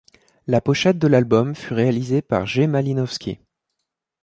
La pochette de l'album fut réalisée par Jay Malinowski.